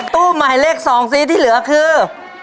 ตู้หมายเลข๒สีที่เหลือคือ